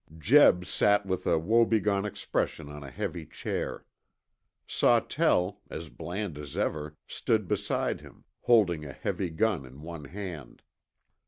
Jeb sat with a woebegone expression on a heavy chair. Sawtell, as bland as ever, stood beside him, holding a heavy gun in one hand.